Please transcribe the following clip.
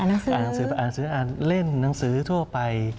อ่านหนังสืออ่านเล่นหนังสือทั่วไป